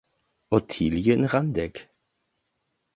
Ottilie in Randegg.